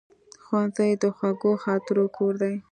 ښوونځی د خوږو خاطرونو کور دی